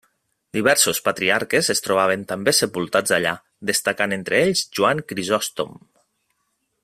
Diversos patriarques es trobaven també sepultats allà, destacant entre ells Joan Crisòstom.